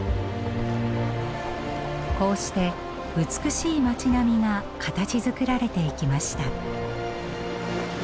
こうして美しい町並みが形づくられていきました。